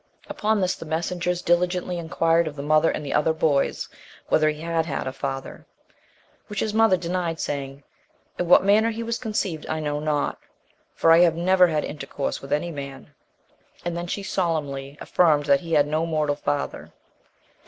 Upon this, the messengers diligently inquired of the mother and the other boys, whether he had had a father? Which his mother denied, saying, "In what manner he was conceived I know not, for I have never had intercourse with any man;" and then she solemnly affirmed that he had no mortal father.